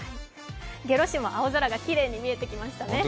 下呂市も青空がきれいに見えてきましたね。